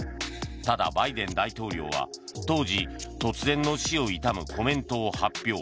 ただ、バイデン大統領は当時、突然の死を悼むコメントを発表。